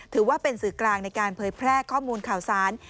ถือว่าเป็นสื่อกลางในการเผยแพร่ข้อมูลข่าวสาร